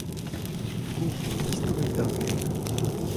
Pegoulz e tistroit d'ar gêr ?